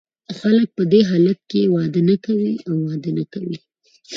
خلګ په دې حالت کې واده نه کوي او واده نه کوي.